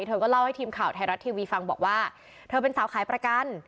เธอก็เล่าให้ทีมข่าวไทยรัฐทีวีฟังบอกว่าเธอเป็นสาวขายประกัน